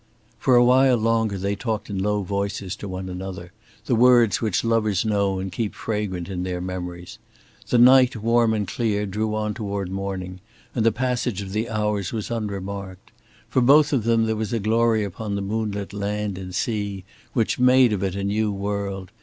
For a while longer they talked in low voices to one another, the words which lovers know and keep fragrant in their memories. The night, warm and clear, drew on toward morning, and the passage of the hours was unremarked. For both of them there was a glory upon the moonlit land and sea which made of it a new world.